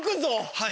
はい。